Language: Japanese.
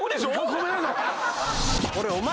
⁉ごめんなさい。